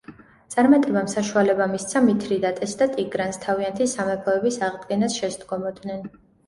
წარმატებამ საშუალება მისცა მითრიდატეს და ტიგრანს თავიანთი სამეფოების აღდგენას შესდგომოდნენ.